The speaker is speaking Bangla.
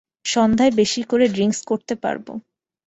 সন্ধ্যায় বেশি করে ড্রিংকস করতে পারবো।